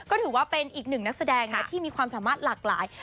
ก็ถือว่าเป็นอีกหนึ่งนักแสดงนะที่มีความสามารถหลากหลาย